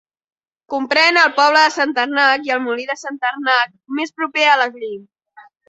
Comprèn el poble de Centernac i el Molí de Centernac, més proper a l'Aglí.